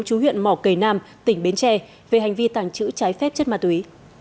chú huyện mỏ cầy nam tỉnh bến tre về hành vi tàng trữ trái phép chất ma túy